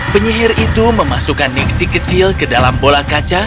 penyihir itu memasukkan nixi kecil ke dalam bola kaca